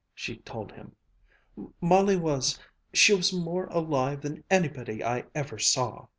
she told him; "Molly was she was more alive than anybody I ever saw!"